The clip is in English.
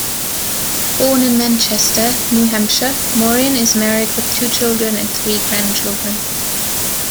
Born in Manchester, New Hampshire, Morin is married with two children and three grandchildren.